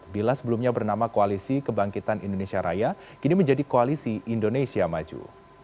bila sebelumnya bernama koalisi kebangkitan indonesia raya kini menjadi koalisi indonesia maju